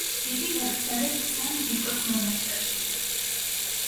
იგი დაკრძალეს სან ვიტოს მონასტერში.